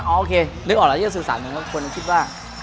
โอเครู้ออกแล้วซักนิดคนคิดว่า